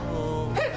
えっ！